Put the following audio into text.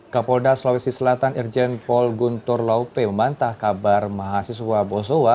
kapolda sulawesi selatan irjen paul guntur laupe membantah kabar mahasiswa bosowa